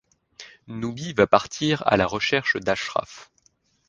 Noubi va partir à la recherche d'Achraf.